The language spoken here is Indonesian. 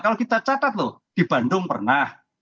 kalau kita catat loh di bandung pernah